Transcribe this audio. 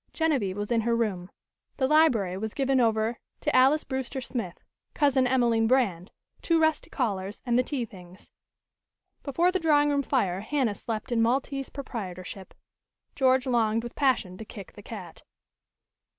Genevieve was in her room. The library was given over to Alys Brewster Smith, Cousin Emelene Brand, two rusty callers and the tea things. Before the drawing room fire, Hanna slept in Maltese proprietorship. George longed with passion to kick the cat.